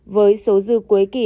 với số dư cuối kỷ